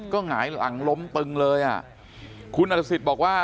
ก็หงายหลังล้มตึงเลยอ่ะคุณอริสิทธิ์บอกว่า